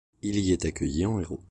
Il y est accueilli en héros.